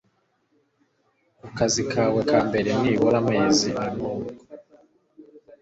ku kazi kawe ka mbere nibura amezi nubwo